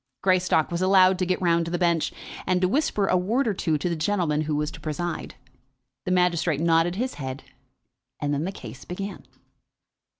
Greystock was allowed to get round to the bench, and to whisper a word or two to the gentleman who was to preside. The magistrate nodded his head, and then the case began.